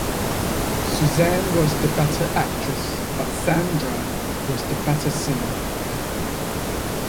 Suzanne was the better actress, but Sandra was the better singer.